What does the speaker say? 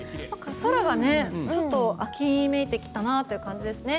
空がちょっと秋めいてきたなという感じですね。